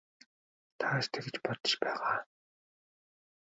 Та ч тэгж л бодож байгаа.